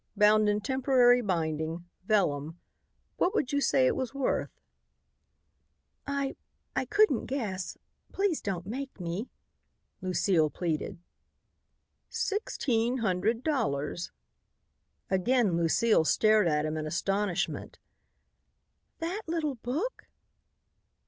Bound in temporary binding, vellum. What would you say it was worth?" "I I couldn't guess. Please don't make me," Lucile pleaded. "Sixteen hundred dollars." Again Lucile stared at him in astonishment. "That little book!"